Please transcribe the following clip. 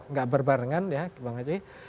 tidak berbarengan ya